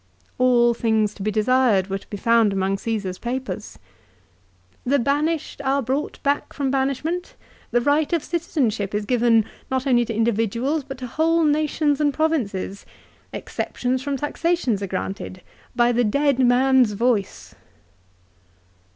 All things to be desired were to be found among Caesar's papers. " The banished are brought back from banish ment, the right of citizenship is given not only to individuals i Phil. i. ca. vii. 3 Ca. viii. CAESAR'S DEATH. 233 but to whole nations and provinces, exceptions from taxations are granted, by the dead man's voice."